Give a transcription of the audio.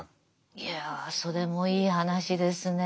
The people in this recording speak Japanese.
いやそれもいい話ですねぇ。